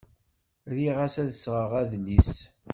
Riɣ ad sɣeɣ adlis.